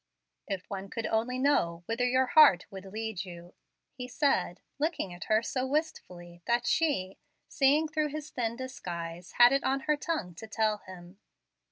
"If one could only know whither your heart would lead you!" he said, looking at her so wistfully that she, seeing through his thin disguise, had it on her tongue to tell him.